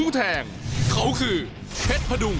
ส่วนคู่ต่อไปของกาวสีมือเจ้าระเข้ยวนะครับขอบคุณด้วย